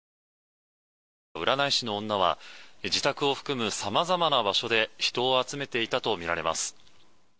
占い師の女は自宅を含むさまざまな場所で人を集めていたとみられます。